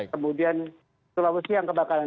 kemudian sulawesi yang kebakaran